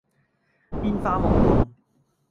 變化無窮